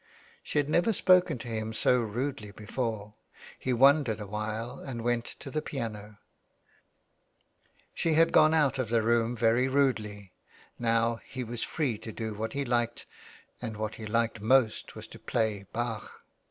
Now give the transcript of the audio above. She had never spoken to him so rudely before. He wondered awhile and went to the piano. She had gone out of the room very rudely. Now he was free to do what he liked, and what he liked most was to play Bach.